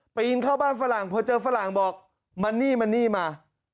ปีนเข้าบ้านฝรั่งพอเจอฝรั่งบอกมันนี่มันนี่มา